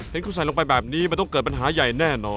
เห็นเขาใส่ลงไปแบบนี้มันต้องเกิดปัญหาใหญ่แน่นอน